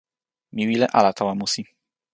mi wile ala tawa musi.